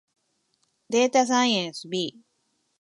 データサイエンス B